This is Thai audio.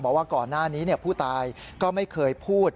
บอกว่าก่อนหน้านี้ผู้ตายก็ไม่เคยพูด